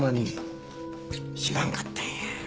知らんかったんや。